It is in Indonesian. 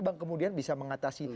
bang kemudian bisa mengatasi